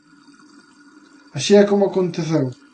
Así é como aconteceu.